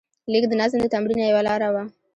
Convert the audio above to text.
لیک د نظم د تمرین یوه لاره وه.